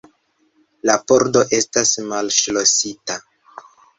La pordo estas malŝlosita.